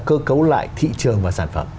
cơ cấu lại thị trường và sản phẩm